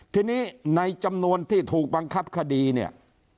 ทีนี้ในจำนวนที่ถูกบังคับคดีเนี่ย